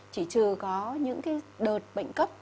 chỉ trừ có những cái đợt bệnh cấp